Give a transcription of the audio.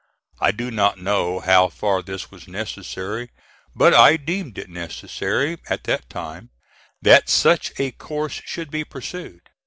I do not know how far this was necessary, but I deemed it necessary, at that time, that such a course should be pursued.